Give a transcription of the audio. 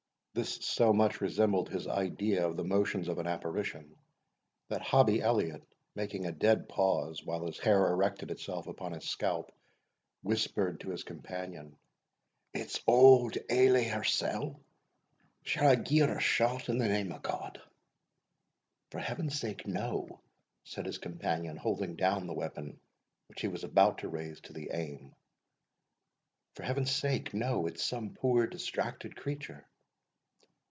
This so much resembled his idea of the motions of an apparition, that Hobbie Elliot, making a dead pause, while his hair erected itself upon his scalp, whispered to his companion, "It's Auld Ailie hersell! Shall I gie her a shot, in the name of God?" "For Heaven's sake, no," said his companion, holding down the weapon which he was about to raise to the aim "for Heaven's sake, no; it's some poor distracted creature."